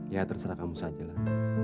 ya terserah kamu sajalah